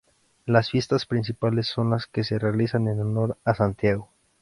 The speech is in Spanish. Las fiestas principales son las que se realizan en honor A Santiago.